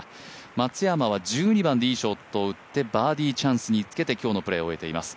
松山は１２番でいいショットを打ってバーディーチャンスにつけて、今日のプレーを終えています。